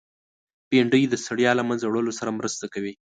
بېنډۍ د ستړیا له منځه وړلو سره مرسته کوي